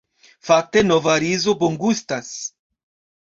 Fakte nova rizo bongustas.